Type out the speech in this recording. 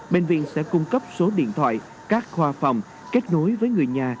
bệnh viện sẽ cung cấp số điện thoại các khoa phòng kết nối với người nhà